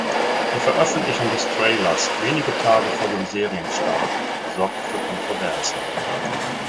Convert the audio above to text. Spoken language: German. Die Veröffentlichung des Trailers wenige Tage vor dem Serienstart sorgte für Kontroversen.